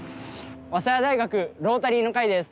早稲田大学ロータリーの会です。